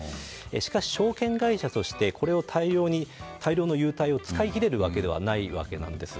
しかし、証券会社として大量の優待を使い切れるわけではないわけなんです。